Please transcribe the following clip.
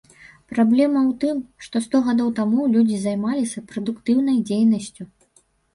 Праблема ў тым, што сто гадоў таму людзі займаліся прадуктыўнай дзейнасцю.